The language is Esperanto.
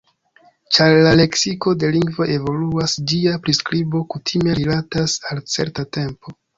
Ĉar la leksiko de lingvo evoluas, ĝia priskribo kutime rilatas al certa tempo.